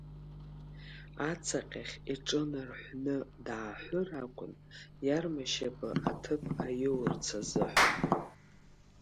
Аҵаҟьахь иҿы нарҳәны дааҳәыр акәын, иарма шьапы аҭыԥ аиурц азыҳәан.